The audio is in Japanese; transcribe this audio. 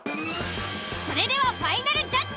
それではファイナルジャッジ。